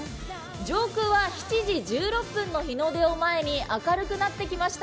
上空は７時１６分の日の出を前に明るくなってきました。